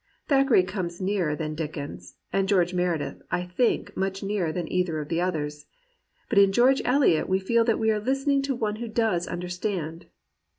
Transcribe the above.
Thackeray comes nearer than Dickens, and Greorge Meredith, I think, much nearer than either of the others. But in George Eliot we feel that we are listening to one who does understand.